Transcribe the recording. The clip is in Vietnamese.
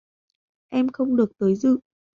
Em không được tới dự